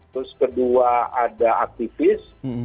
terus kedua ada aktivis